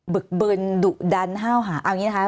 บึกบึนดุดันห้าวหาเอางี้นะคะ